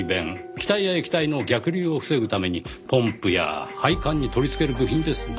気体や液体の逆流を防ぐためにポンプや配管に取り付ける部品です。